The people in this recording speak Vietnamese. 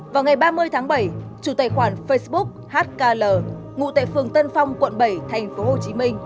vào ngày ba mươi tháng bảy chủ tài khoản facebook hkl ngụ tại phường tân phong quận bảy tp hcm